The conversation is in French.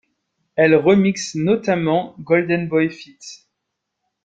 Elle remixe notamment Goldenboy Feat.